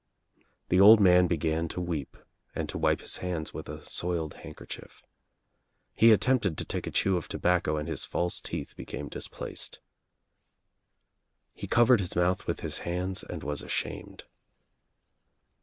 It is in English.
" I The old man began to weep and to wipe his hands with a soiled handkerchief. He attempted to take a chew of tobacco and his false teeth became displaced. He covered his mouth with his hands and was ashamed.